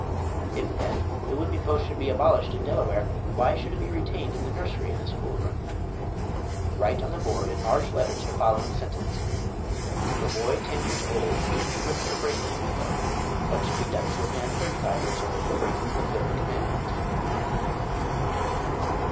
If, then, the whipping post should be abolished in Delaware, why should it be retained in the nursery and the school room? Write on the board, in large letters, the following sentence: If a boy ten years old should be whipped for breaking a window, what should be done to a man thirty five years old for breaking the third commandment?